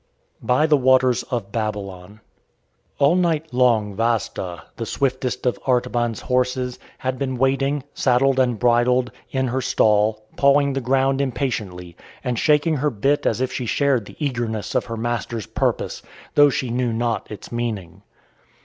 BY THE WATERS OF BABYLON All night long Vasda, the swiftest of Artaban's horses, had been waiting, saddled and bridled, in her stall, pawing the ground impatiently, and shaking her bit as if she shared the eagerness of her master's purpose, though she knew not its meaning.